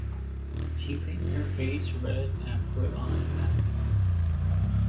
She painted her face red and put on a mask.